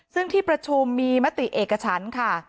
ซึ่งที่ประชุมมีมติเอกฉันค่ะ